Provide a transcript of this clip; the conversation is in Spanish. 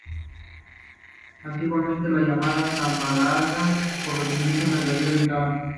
Antiguamente llamada Sabanalarga por los indígenas que allí habitaban.